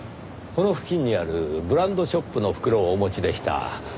この付近にあるブランドショップの袋をお持ちでした。